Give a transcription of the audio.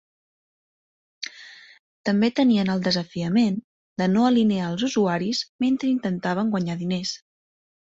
També tenien el desafiament de no alinear els usuaris mentre intentaven guanyar diners.